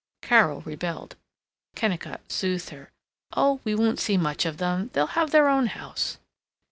Carol rebelled. Kennicott soothed her: "Oh, we won't see much of them. They'll have their own house."